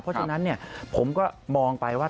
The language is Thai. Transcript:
เพราะฉะนั้นผมก็มองไปว่า